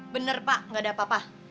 bener pak nggak ada apa apa